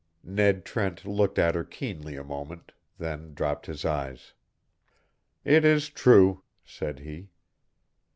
Ned Trent looked at her keenly a moment, then dropped his eyes. "It is true," said he.